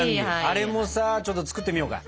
あれもさちょっと作ってみようか！